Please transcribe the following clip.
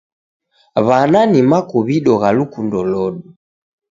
W'ana ni makuw'ido gha lukundo lodu.